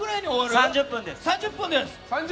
３０分です。